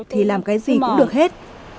thì làm cái gì cũng được hết